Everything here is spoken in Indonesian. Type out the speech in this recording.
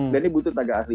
dan ini butuh tenaga ahli